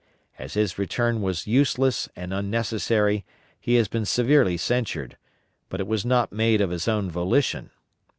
As his return was useless and unnecessary, he has been severely censured, but it was not made of his own volition.